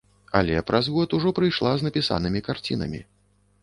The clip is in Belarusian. Але праз год ужо прыйшла з напісанымі карцінамі.